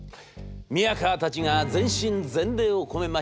宮河たちが全身全霊を込めました